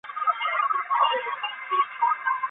海滨柳穿鱼为玄参科柳穿鱼属下的一个种。